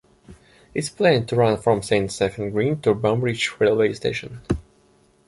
It is planned to run from Saint Stephen's Green to Broombridge railway station.